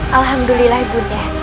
alhamdulillah ibu deh